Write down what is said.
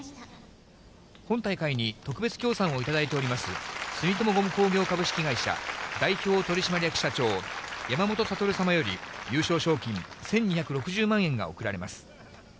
本大会に特別協賛をいただいております、住友ゴム工業株式会社代表取締役社長、山本悟様より、優勝賞金１２６０万円が贈られます。